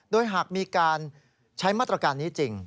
โดยหากมีการใช้มาตรการนี้จริง